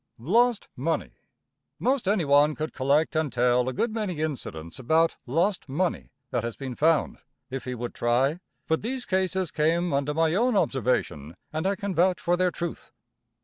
Lost Money. Most anyone could collect and tell a good many incidents about lost money that has been found, if he would try, but these cases came under my own observation and I can vouch for their truth.